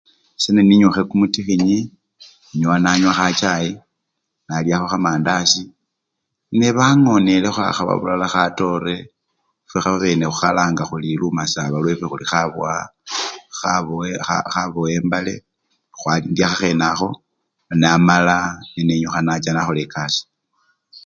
Seneninyukhe kumutikhinyi, inyowa nanywakho khachayi, nalyakho khamandazi ne! nee bangonelekho abulala khatore fwe fwabene khukhalanga khuri khabwa! khabowembale khwa! indiakhakhenakho wamala nenyukha nacha nakhola ekasii.